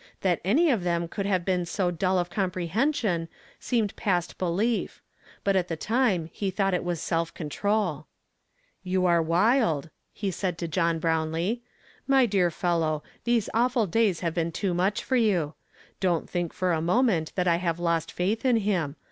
That any of them could have been so dull of comprehension seemed past belief; but at the time he thought it was self control. " You are wild !" he said to John Brownlee. "My dear fellow, these awful days have been too mucli for you. Don't think for a moment that I hiive lost faith in him.